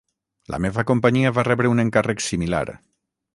La meva companyia va rebre un encàrrec similar.